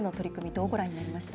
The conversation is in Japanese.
どうご覧になりました？